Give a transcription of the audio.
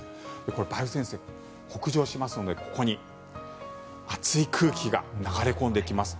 これ、梅雨前線北上しますのでここに暑い空気が流れ込んできます。